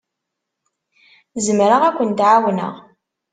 Zemreɣ ad kent-ɛawneɣ.